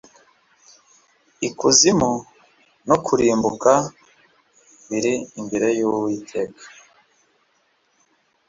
ikuzimu no kurimbuka biri imbere y’uwiteka